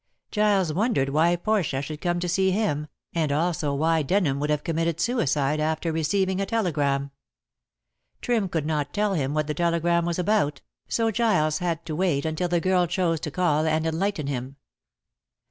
Giles wondered why Portia should come to see him, and also why Denham should have committed suicide after receiving a telegram. Trim could not tell him what the telegram was about, so Giles had to wait until the girl chose to call and enlighten him.